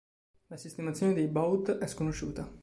La sistemazione dei bout è sconosciuta.